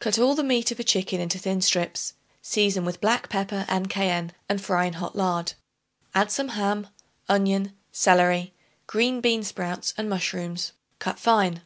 Cut all the meat of a chicken into thin strips; season with black pepper, and cayenne, and fry in hot lard. Add some ham, onion, celery, green bean sprouts and mushrooms cut fine.